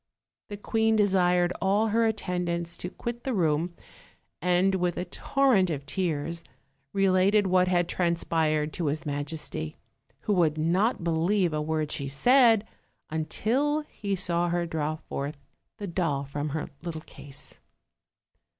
The queen desired all her attendants to quit the room, and, with a torrent of tears, related what had transpired to his majesty, who would not bo OLD, OLD FAIRY TALES. 287 lieve a word she said until he saw her drav forth the doll from her little case.